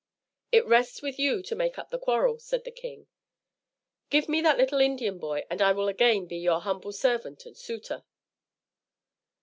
"It rests with you to make up the quarrel," said the king. "Give me that little Indian boy, and I will again be your humble servant and suitor."